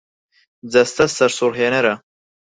جەستەت سەرسوڕهێنەرە.